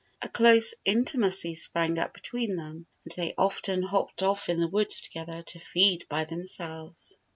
A close intimacy sprang up between them, and they often hopped off in the woods together to feed by themselves.